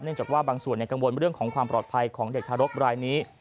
จากว่าบางส่วนในกังวลเรื่องของความปลอดภัยของเด็กทารกรายนี้